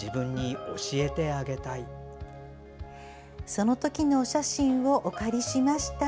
そのときのお写真をお借りしました。